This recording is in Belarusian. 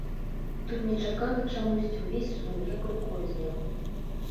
І тут нечакана чамусьці ўвесь сум як рукой зняло.